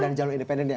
dan jalur independennya